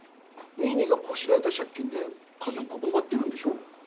ニーニーがこしらえた借金で家族困ってるんでしょ？